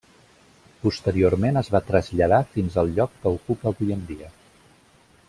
Posteriorment es va traslladar fins al lloc que ocupa avui en dia.